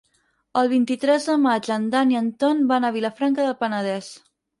El vint-i-tres de maig en Dan i en Ton van a Vilafranca del Penedès.